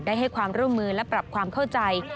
ให้ความร่วมมือและปรับความเข้าใจ